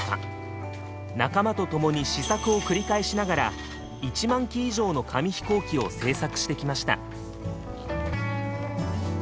仲間と共に試作を繰り返しながら１万機以上の紙飛行機を製作してきました。